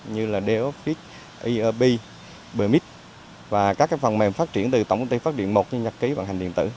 như là dlfit erp bmix và các cái phần mềm phát triển từ tổng công ty phát điện một như nhạc ký vận hành điện tử